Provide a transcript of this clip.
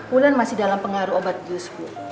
mulan masih dalam pengaruh obat guseful